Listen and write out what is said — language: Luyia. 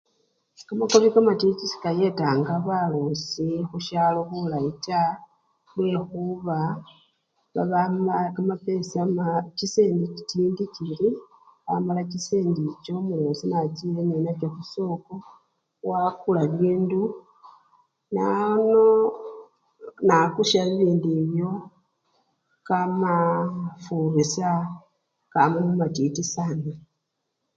Kamakobi kamatiti sekayetanga balosi khushalo bulayi taa lwekhuba babamwa kamapesa chisendi chintiti chiri amala chisendi icho chosi nachile ninacho khusoko wakula bibindu nono nakusha bibindu ibyo kamafurisha kamamo matiti sana.